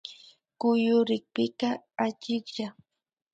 Kuyurikpika achiklla